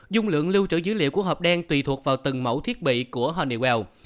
dung lượng lưu trữ dữ liệu của hộp đen tùy thuộc vào từng mẫu thiết bị của honeywell